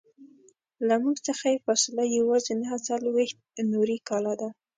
له موږ څخه یې فاصله یوازې نهه څلویښت نوري کاله ده.